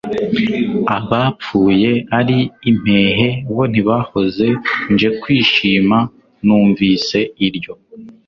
Abapfuye ari impehe bo ntibahoze Nje kwishima numvise iryo,